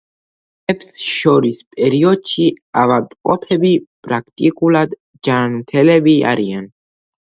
შეტევებს შორის პერიოდში ავადმყოფები პრაქტიკულად ჯანმრთელები არიან.